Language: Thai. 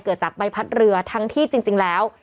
เกิดจากใบพัดเรือทั้งที่จริงแล้ว